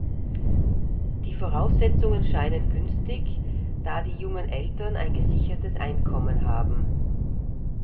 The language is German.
Die Voraussetzungen scheinen günstig, da die jungen Eltern ein gesichertes Einkommen haben.